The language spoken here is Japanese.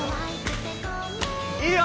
いいよ！